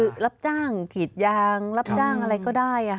คือรับจ้างถีดยางรับจ้างอะไรก็ได้